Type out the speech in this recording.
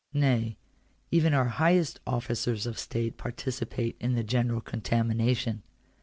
Nay, even our highest officers of state participate in the general contamination.